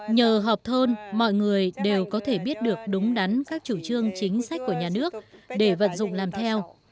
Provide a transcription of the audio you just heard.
nhờ họp thôn mọi người đều có thể biết được đúng đắn các chủ trương chính sách của nhà nước để vận dụng làm theo